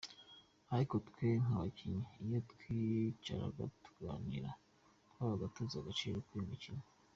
Ariko twe nk’abakinnyi iyo twicaraga tuganira, twabaga tuzi agaciro k’uyu mukino.